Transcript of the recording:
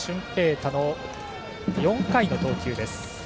大の４回の投球です。